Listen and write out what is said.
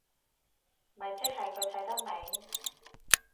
咪即係佢睇得明